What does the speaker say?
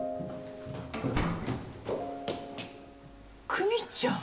・久実ちゃん。